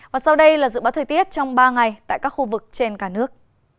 và sau đây là dự báo thời tiết trong ba ngày tại các khu vực trên cả nước